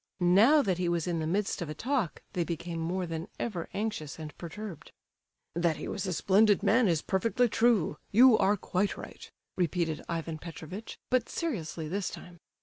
Now that he was in the midst of a talk they became more than ever anxious and perturbed. "That he was a splendid man is perfectly true; you are quite right," repeated Ivan Petrovitch, but seriously this time.